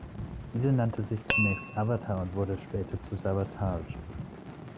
Diese nannte sich zunächst Avatar und wurde später zu Savatage.